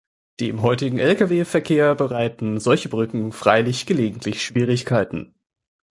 Dem heutigen Lkw-Verkehr bereiten solche Brücken freilich gelegentlich Schwierigkeiten.